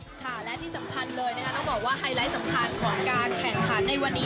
ค่ะและที่สำคัญเลยนะคะต้องบอกว่าไฮไลท์สำคัญของการแข่งขันในวันนี้